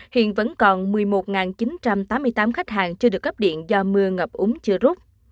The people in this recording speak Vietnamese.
hiện vẫn còn một mươi một chín trăm tám mươi tám khách hàng chưa được cấp điện do mưa ngập úng chưa rút